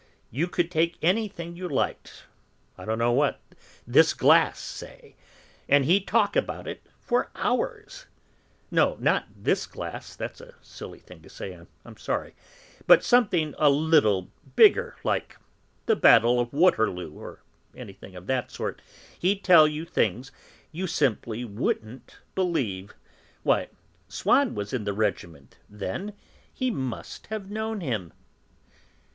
You could take anything you liked I don't know what this glass, say; and he'd talk away about it for hours; no, not this glass; that's a silly thing to say, I'm sorry; but something a little bigger, like the battle of Waterloo, or anything of that sort, he'd tell you things you simply wouldn't believe. Why, Swann was in the regiment then; he must have known him."